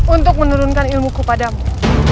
untuk menurunkan ilmuku padamu